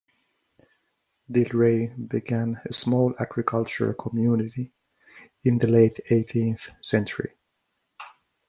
Delray began a small agricultural community in the late eighteenth century.